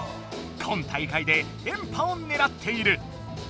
今大会でれんぱをねらっている。